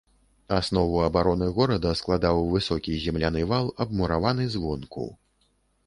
Аснову абароны горада складаў высокі земляны вал, абмураваны звонку.